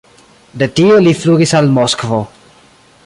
De tie li flugis al Moskvo.